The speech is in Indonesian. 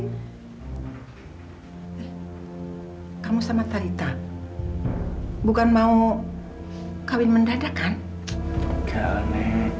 hai kamu sama talitha bukan mau kawin mendadak kan